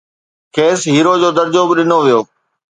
کيس هيرو جو درجو به ڏنو ويو